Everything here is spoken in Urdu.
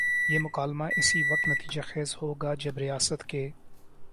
یہ مکالمہ اسی وقت نتیجہ خیز ہو گا جب ریاست کے